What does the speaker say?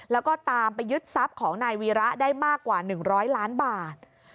แล้วก็ตามไปยึดทรัพย์ของนายวีระได้มากกว่า๑๐๐ล้านบาท